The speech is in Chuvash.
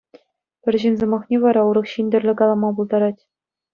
Пӗр ҫын сӑмахне вара урӑх ҫын тӗрлӗ калама пултарать.